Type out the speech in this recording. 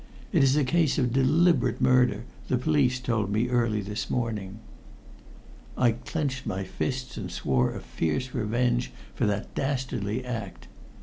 It is a case of deliberate murder, the police told me early this morning." I clenched my fists and swore a fierce revenge for that dastardly act.